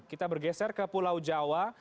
kita bergeser ke pulau jawa